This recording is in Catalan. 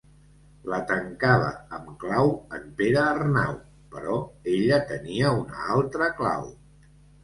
La tancava amb clau en Pere Arnau, però ella tenia una altra clau.